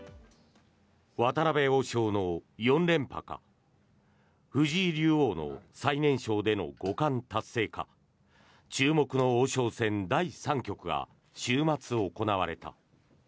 渡辺王将の４連覇か藤井竜王の最年少での五冠達成か注目の王将戦第３局が週末、行われた。